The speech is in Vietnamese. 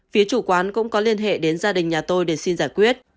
phía chủ quán cũng có liên hệ đến gia đình nhà tôi để xin giải quyết